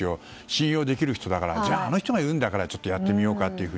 信用できる人だからあの人が言うんだからやってみようかと。